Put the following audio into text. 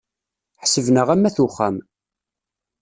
Ḥesben-aɣ am ayt uxxam.